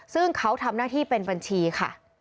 ซึ่งเขาทำหน้าที่เป็นบัญชีค่ะ